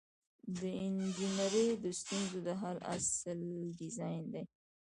د انجنیری د ستونزو د حل اصل ډیزاین دی.